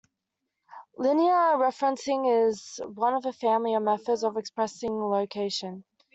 Linear referencing is one of a family of methods of expressing location.